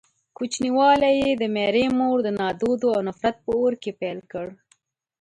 کوچنيوالی يې د ميرې مور د نادودو او نفرت په اور کې پيل کړ.